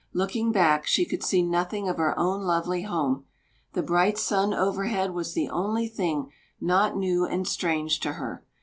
Looking back, she could see nothing of her own lovely home. The bright sun overhead was the only thing not new and strange to her.